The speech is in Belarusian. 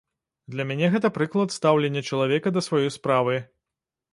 Для мяне гэта прыклад стаўлення чалавека да сваёй справы.